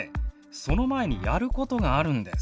その前にやることがあるんです。